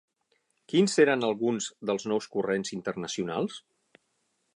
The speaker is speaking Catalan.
Quins eren alguns dels nous corrents internacionals?